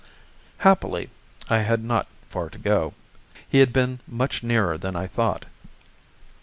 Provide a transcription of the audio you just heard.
Happily I had not far to go; he had been much nearer than I thought.